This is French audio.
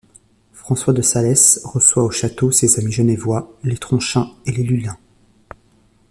François de Sales reçoit au château ses amis genevois, les Tronchin et les Lullin.